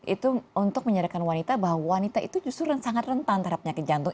itu untuk menyadarkan wanita bahwa wanita itu justru sangat rentan terhadap penyakit jantung